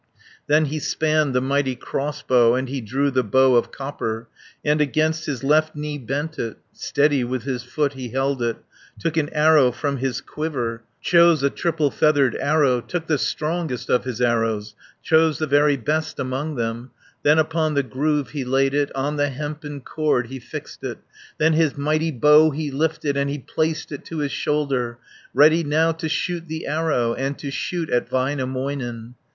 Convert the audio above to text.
140 Then he spanned the mighty crossbow. And he drew the bow of copper, And against his left knee bent it, Steady with his foot he held it, Took an arrow from his quiver, Chose a triple feathered arrow, Took the strongest of his arrows, Chose the very best among them, Then upon the groove he laid it, On the hempen cord he fixed it, 150 Then his mighty bow he lifted, And he placed it to his shoulder, Ready now to shoot the arrow, And to shoot at Väinämöinen.